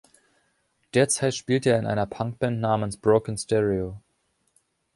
Derzeit spielt er in einer Punkband namens Broken Stereo.